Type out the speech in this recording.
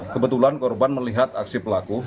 kebetulan korban melihat aksi pelaku